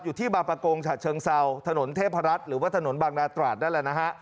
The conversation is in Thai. อยู่ที่บางประกงฉะเชิงเซาถนนเทพรัฐหรือว่าถนนบางนาตราดนั่นแหละนะฮะ